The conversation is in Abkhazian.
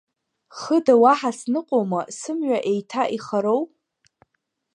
Хыда уаҳа сныҟәома сымҩа еиҭа ихароу?